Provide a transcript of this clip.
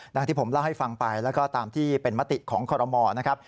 อย่างที่ผมเล่าให้ฟังไปแล้วก็ตามที่เป็นมติของคอรมอนะครับ